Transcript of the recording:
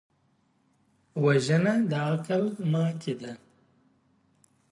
وژنه د عقل ماتې ده